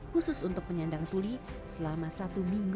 khusus untuk penyandang tuli selama satu minggu di finger talk